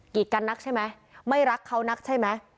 กันนักใช่ไหมไม่รักเขานักใช่ไหม